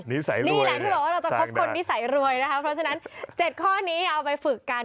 นี่แหละที่บอกว่าเราจะคบคนนิสัยรวยนะคะเพราะฉะนั้น๗ข้อนี้เอาไปฝึกกัน